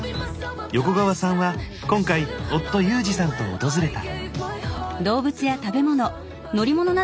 横川さんは今回夫裕志さんと訪れた。